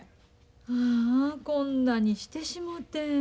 ああこんなにしてしもて。